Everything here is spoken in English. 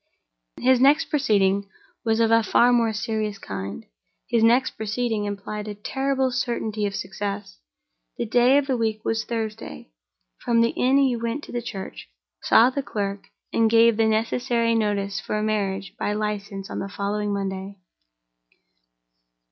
His next proceeding was of a far more serious kind; his next proceeding implied a terrible certainty of success. The day of the week was Thursday. From the inn he went to the church, saw the clerk, and gave the necessary notice for a marriage by license on the following Monday.